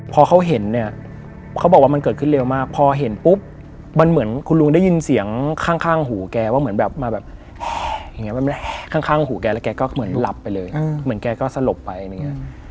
พอเขาเห็นเนี่ยเขาบอกว่ามันเกิดขึ้นเร็วมากพอเห็นปุ๊บมันเหมือนคุณลุงได้ยินเสียงข้างหูแกว่าเหมือนแบบมาแบบอย่างนี้ข้างหูแกแล้วแกก็เหมือนหลับไปเลยเหมือนแกก็สลบไปอะไรอย่างนี้